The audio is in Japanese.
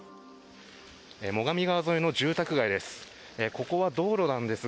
最上川沿いの住宅街です。